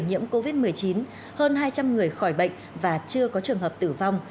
nhiễm covid một mươi chín hơn hai trăm linh người khỏi bệnh và chưa có trường hợp tử vong